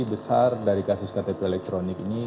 besar dari kasus ktp elektronik ini